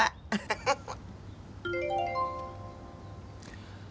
フフフフ。